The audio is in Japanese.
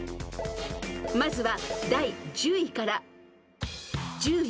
［まずは第１０位から］